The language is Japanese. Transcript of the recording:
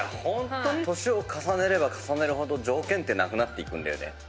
ホントに年を重ねれば重ねるほど条件ってなくなっていくんだよね。